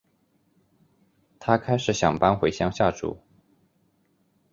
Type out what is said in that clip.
她开始想搬回乡下住